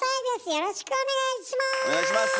よろしくお願いします。